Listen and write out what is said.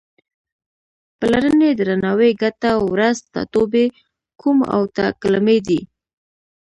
پلرنی، درناوی، ګټه، ورځ، ټاټوبی، کوم او ته کلمې دي.